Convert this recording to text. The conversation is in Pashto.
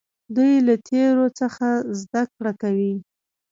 دوی له تیرو څخه زده کړه کوي.